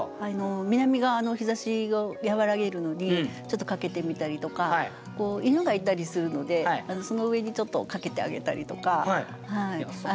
南側の日ざしを和らげるのにちょっと掛けてみたりとか犬がいたりするのでその上にちょっと掛けてあげたりとか。